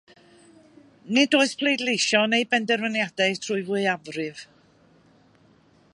Nid oes pleidleisio neu benderfyniadau trwy fwyafrif.